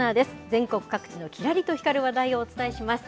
全国各地のきらりと光る話題をお伝えします。